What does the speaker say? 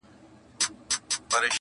سپین اغوستي لکه بطه غوندي ښکلی!.